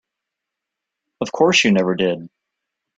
Of course you never did.